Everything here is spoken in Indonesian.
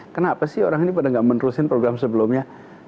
kenapa sih orang ini pada nggak menerusin program sebelumnya